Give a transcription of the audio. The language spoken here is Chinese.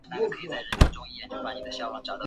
因裁缺归里。